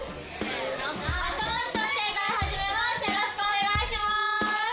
よろしくお願いします。